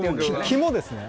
肝ですね